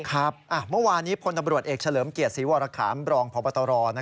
เมื่อวานี้พลตำรวจเอกเฉลิมเกียรติศรีวรคามรองพบตร